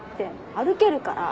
歩けるから。